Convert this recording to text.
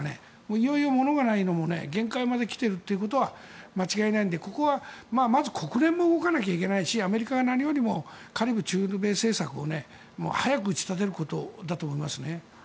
いよいよ物がないのも限界まで来ているのは間違いないので、ここはまず国連も動かないといけないしアメリカが何よりもカリブへの政策を早く打ち立てることだと思いますね。